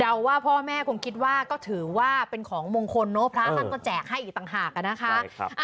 ว่าพ่อแม่คงคิดว่าก็ถือว่าเป็นของมงคลเนอะพระท่านก็แจกให้อีกต่างหากอะนะคะ